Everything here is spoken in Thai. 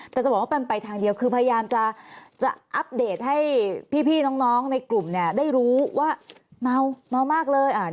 แต่จะบอกว่ามันไปทางเดียวคือพยายามจะอัปเดตให้พี่น้องในกลุ่มได้รู้ว่าเมามากเลย